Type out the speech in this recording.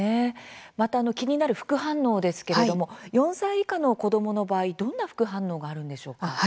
気になる副反応ですけれども４歳以下の子どもの場合どんな副反応があるんでしょうか。